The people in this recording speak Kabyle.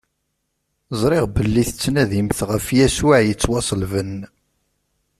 Ẓriɣ belli tettnadimt ɣef Yasuɛ ittwaṣellben.